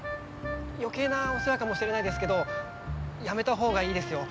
余計なお世話かもしれないですけどやめたほうがいいですよ。